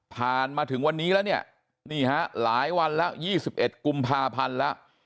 มาถึงวันนี้แล้วเนี่ยนี่ฮะหลายวันแล้ว๒๑กุมภาพันธ์แล้ว